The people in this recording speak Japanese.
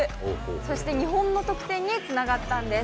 そして日本の得点につながったんです。